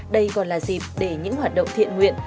đây còn là dịp để những hoạt động thiện nguyện